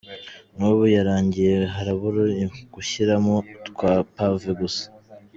N’ubu yarangiye harabura gushyiramo twa pave gusa.